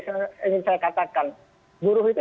saya katakan buruh itu